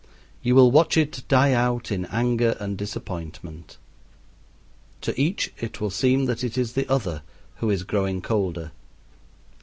You will watch it die out in anger and disappointment. To each it will seem that it is the other who is growing colder.